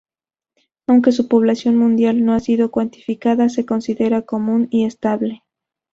Aunque su población mundial no ha sido cuantificada, se considera común y estable.